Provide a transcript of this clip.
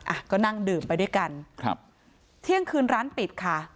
อ่ะก็นั่งดื่มไปด้วยกันครับเที่ยงคืนร้านปิดค่ะ